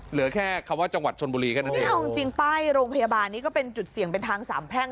เหลือแค่คำว่าจังหวัดชนบุรีแค่นั้นเองเอาจริงจริงป้ายโรงพยาบาลนี้ก็เป็นจุดเสี่ยงเป็นทางสามแพร่ง